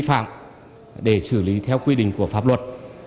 diagram kẻ gây aufgeo vips v critics crowdfunding khai sản truyền